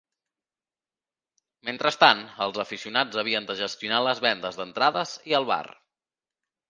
Mentrestant, els aficionats havien de gestionar les vendes d'entrades i el bar.